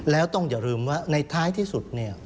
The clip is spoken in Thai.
แล้วต้องอย่าลืมว่าในท้ายที่สุดเนี่ย